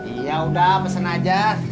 iya udah pesen aja